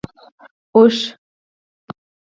🐪 اوښ